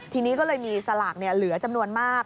ทีนี้ก็เลยมีสลากเหลือจำนวนมาก